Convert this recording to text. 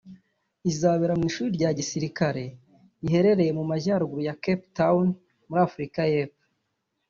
Izabera mu Ishuri rya gisirikare riherereye mu majyaruguru ya Cape Town muri Afurika y’Epfo